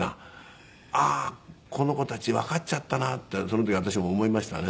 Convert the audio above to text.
ああーこの子たちわかっちゃったなってその時私も思いましたね。